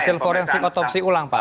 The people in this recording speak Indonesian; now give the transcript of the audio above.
hasil forensik otopsi ulang pak